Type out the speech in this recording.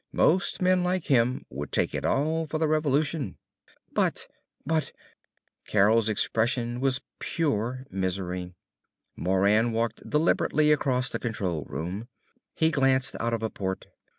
Most men like him would take it all for the revolution!" "But but ." Carol's expression was pure misery. Moran walked deliberately across the control room. He glanced out of a port.